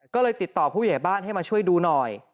ก็เลยติดต่อผู้ใหญ่บ้านให้มาช่วยดูหน่อย